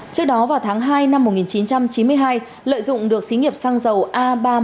trước đó vào tháng hai năm một nghìn chín trăm chín mươi hai lợi dụng được xí nghiệp xăng dầu a ba trăm bảy mươi